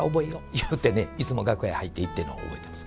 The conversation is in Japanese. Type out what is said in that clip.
言うてねいつも楽屋へ入っていってんのを覚えてます。